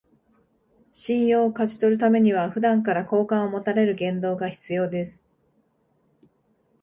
信用を勝ち取るためには、普段から好感を持たれる言動が必要です